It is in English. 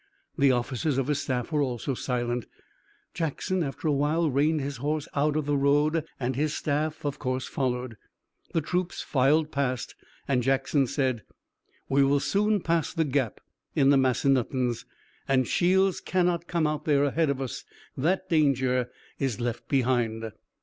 The officers of his staff were also silent. Jackson after a while reined his horse out of the road, and his staff, of course, followed. The troops filed past and Jackson said: "We will soon pass the Gap in the Massanuttons, and Shields cannot come out there ahead of us. That danger is left behind."